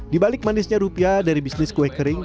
di balik manisnya rupiah dari bisnis kue kering